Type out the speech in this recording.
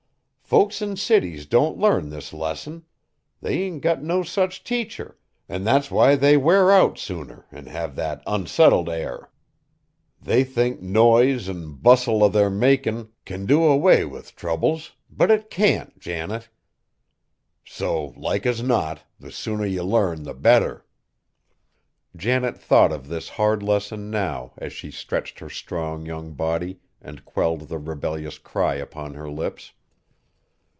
Folks in cities don't learn this lesson; they ain't got no such teacher, an' that's why they wear out sooner, an' have that onsettled air. They think noise an' bustle o' their makin' can do away with troubles, but it can't, Janet. So like as not, the sooner ye learn, the better." Janet thought of this hard lesson now as she stretched her strong young body, and quelled the rebellious cry upon her lips.